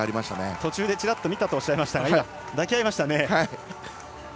途中でチラッと見たとおっしゃいましたが今、抱き合っていました。